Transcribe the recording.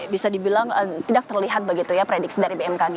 bisa dibilang tidak terlihat begitu ya prediksi dari bmkg